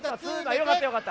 よかったよかった。